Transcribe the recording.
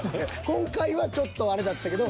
今回はちょっとあれだったけど。